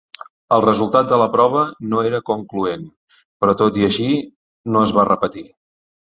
El resultat de la prova no era concloent, però tot i així no es va repetir.